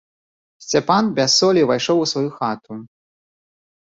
Сцяпан без солі ўвайшоў у сваю хату.